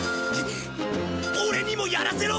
オレにもやらせろ！